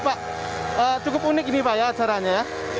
pak cukup unik ini pak ya acaranya ya